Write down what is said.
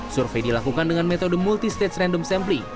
survei dilakukan dengan metode multistage random sampling